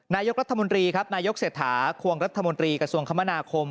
นายกรัฐมนตรีครับนายกเศรษฐาควงรัฐมนตรีกระทรวงคมนาคม